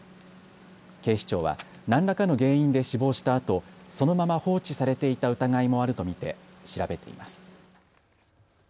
警視庁は何らかの原因で死亡したあと、そのまま放置されていた疑いもあると見て調べています。